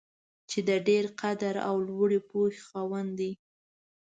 چې د ډېر قدر او لوړې پوهې خاوند دی.